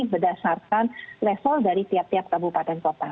berdasarkan level dari tiap tiap kabupaten kota